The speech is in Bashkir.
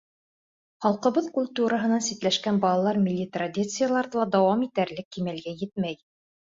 Халҡыбыҙ культураһынан ситләшкән балалар милли традицияларҙы ла дауам итәрлек кимәлгә етмәй.